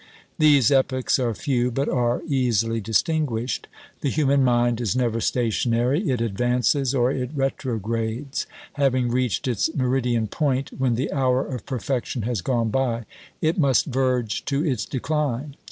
These epochs are few, but are easily distinguished. The human mind is never stationary; it advances or it retrogrades: having reached its meridian point, when the hour of perfection has gone by, it must verge to its decline.